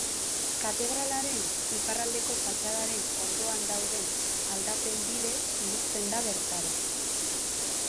Katedralaren iparraldeko fatxadaren ondoan dauden aldapen bidez iristen da bertara.